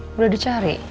oh udah dicari